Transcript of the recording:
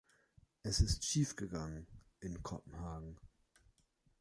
Es ist schiefgegangen in Kopenhagen.